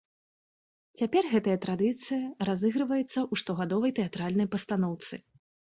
Цяпер гэтая традыцыя разыгрываецца ў штогадовай тэатральнай пастаноўцы.